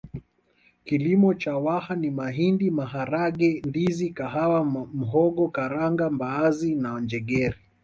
Kilimo cha Waha ni mahindi maharage ndizi kahawa mhogo karanga mbaazi na njegere